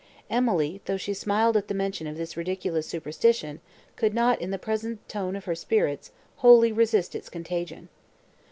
Emily, though she smiled at the mention of this ridiculous superstition, could not, in the present tone of her spirits, wholly resist its contagion.